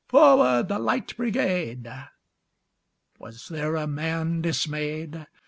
"Forward, the Light Brigade!"Was there a man dismay'd?